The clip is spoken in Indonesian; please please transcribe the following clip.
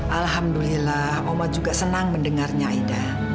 alhamdulillah omah juga senang mendengarnya aida